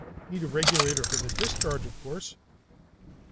Need a regulator for the discharge, of course."